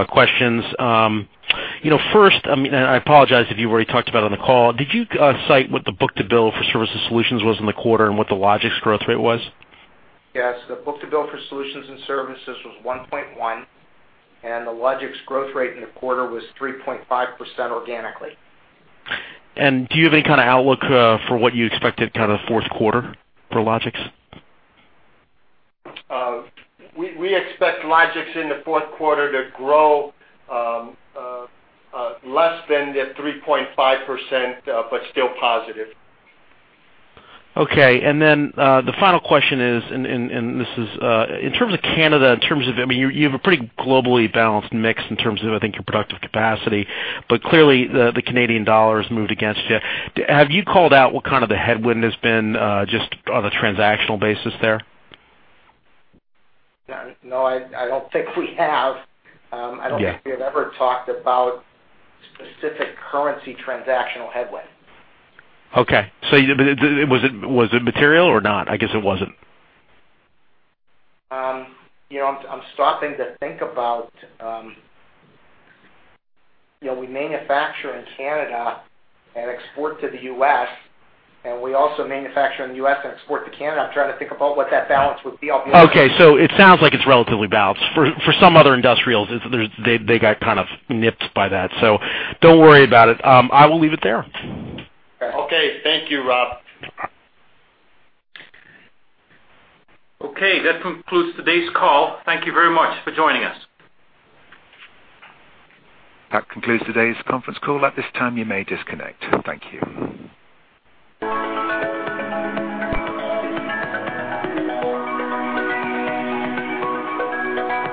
Speaker 15: questions. First, I apologize if you already talked about it on the call, did you cite what the book to bill for services solutions was in the quarter and what the Logix growth rate was?
Speaker 4: Yes. The book to bill for solutions and services was 1.1, and the Logix growth rate in the quarter was 3.5% organically.
Speaker 15: Do you have any kind of outlook for what you expected kind of fourth quarter for Logix?
Speaker 4: We expect Logix in the fourth quarter to grow less than the 3.5%, but still positive.
Speaker 15: Okay. The final question is, and this is in terms of Canada, in terms of, you have a pretty globally balanced mix in terms of, I think, your productive capacity. Clearly, the Canadian dollar has moved against you. Have you called out what kind of the headwind has been just on a transactional basis there?
Speaker 4: No, I don't think we have.
Speaker 15: Yeah.
Speaker 4: I don't think we have ever talked about specific currency transactional headwind.
Speaker 15: Okay. Was it material or not? I guess it wasn't.
Speaker 4: I'm stopping to think about, we manufacture in Canada and export to the U.S., and we also manufacture in the U.S. and export to Canada.
Speaker 15: Okay. It sounds like it's relatively balanced. For some other industrials, they got kind of nipped by that. Don't worry about it. I will leave it there.
Speaker 3: Okay. Thank you, Rob. Okay. That concludes today's call. Thank you very much for joining us.
Speaker 1: That concludes today's conference call. At this time, you may disconnect. Thank you.